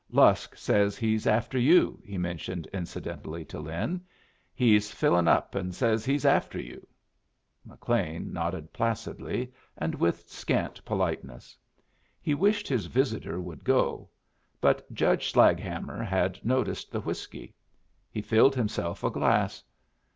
Lusk says he's after you," he mentioned incidentally to Lin. "He's fillin' up, and says he's after you." McLean nodded placidly, and with scant politeness. He wished this visitor would go. But Judge Slaghammer had noticed the whiskey. He filled himself a glass.